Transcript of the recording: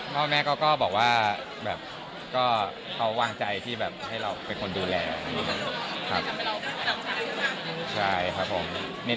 พ่อแม่ก็บอกว่าเขาว่างใจที่ให้เราเป็นคนดูแล